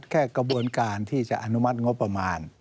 กระบวนการที่จะอนุมัติงบประมาณ